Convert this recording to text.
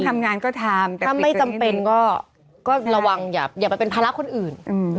ถ้าไม่จำเป็นก็ระวังอย่าไปเป็นภาระคนอื่น